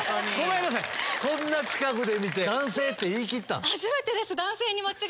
こんな近くで見て男性って言い切った。